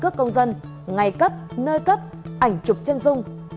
thông dân ngày cấp nơi cấp ảnh chụp chân dung